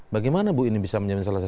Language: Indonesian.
bagaimana bu ini bisa menjamin selesai